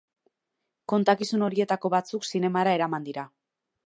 Kontakizun horietako batzuk zinemara eraman dira.